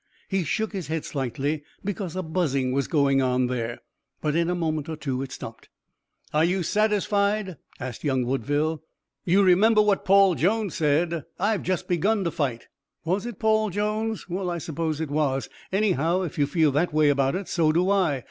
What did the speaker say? He shook his head slightly, because a buzzing was going on there, but in a moment or two it stopped. "Are you satisfied?" asked young Woodville. "You remember what Paul Jones said: 'I've just begun to fight.'" "Was it Paul Jones? Well, I suppose it was. Anyhow, if you feel that way about it, so do I.